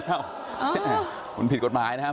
อ๋อใจเย็นพี่ใจเย็น